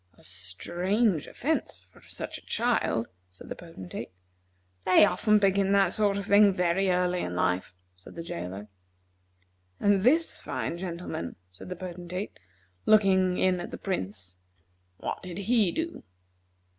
"A strange offence for such a child," said the Potentate. "They often begin that sort of thing very early in life," said the jailer. "And this fine gentleman," said the Potentate, looking in at the Prince, "what did he do?"